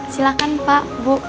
silahkan pak bu